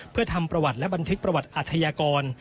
เพื่อทำประวัติและบันทึกประวัติอาชญากร